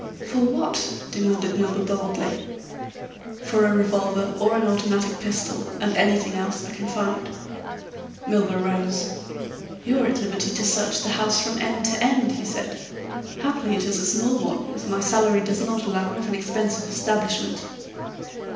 "For what?" demanded Milburgh boldly. "For a revolver or an automatic pistol and anything else I can find." Milburgh rose. "You're at liberty to search the house from end to end," he said. "Happily, it is a small one, as my salary does not allow of an expensive establishment."